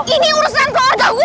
ini urusan keluarga gue